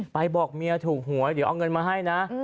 บอกเมียถูกหวยเดี๋ยวเอาเงินมาให้นะ